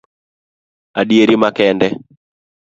Adieri makende